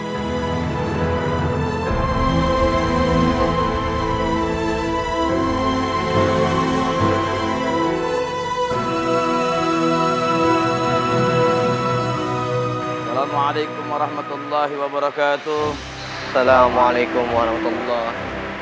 assalamualaikum warahmatullahi wabarakatuh assalamualaikum warahmatullah